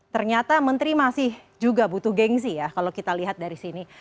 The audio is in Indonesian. ternyata menteri masih juga butuh gengsi ya kalau kita lihat dari sini